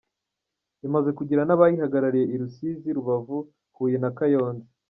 Imaze kugira n’ abayihagarariye i Rusizi, Rubavu, Huye na Kayonza.